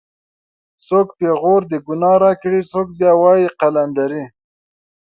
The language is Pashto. څوک پېغور د گناه راکړي څوک بیا وایي قلندرې